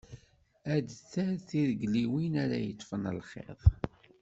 Ad terr tirigliwin, ara yeṭfen lxiḍ.